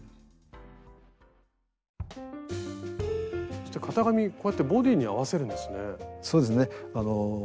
そして型紙こうやってボディーに合わせるんですね。